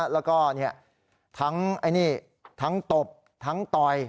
แล้วก็ทั้งตบทั้งต่อย